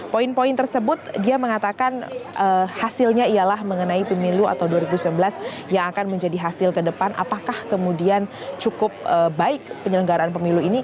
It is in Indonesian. poin poin tersebut dia mengatakan hasilnya ialah mengenai pemilu atau dua ribu sembilan belas yang akan menjadi hasil ke depan apakah kemudian cukup baik penyelenggaraan pemilu ini